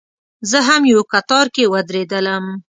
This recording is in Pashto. زه هم یو کتار کې ودرېدلم.